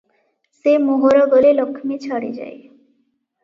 ସେ ମୋହର ଗଲେ ଲକ୍ଷ୍ମୀ ଛାଡ଼ିଯାଏ ।